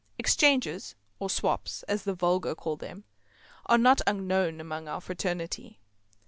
Exchanges—or "swaps," as the vulgar call them—are not unknown among our fraternity.